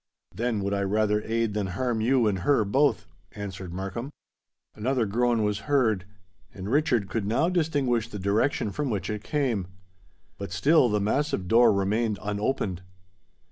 "Then would I rather aid than harm you and her, both," answered Markham. Another groan was heard; and Richard could now distinguish the direction from which it came. But still the massive door remained unopened.